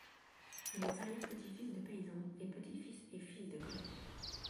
Il est arrière-petit-fils de paysan et petit-fils et fils de colonel.